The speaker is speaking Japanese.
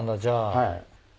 はい。